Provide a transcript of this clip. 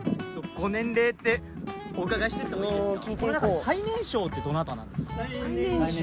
ご年齢お伺いしてもいいですか？